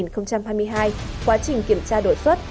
tháng tám năm hai nghìn hai mươi hai quá trình kiểm tra đổi xuất